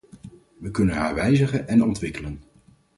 We kunnen haar wijzigen en ontwikkelen.